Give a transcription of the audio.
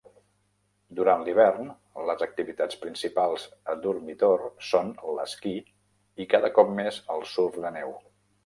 Durant l"hivern, les activitats principals a Durmitor són l"esquí i cada cop més el surf de neu.